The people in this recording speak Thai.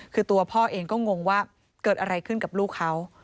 คือตัวพ่อเองก็งงว่าเกิดอะไรขึ้นกับลูกเขา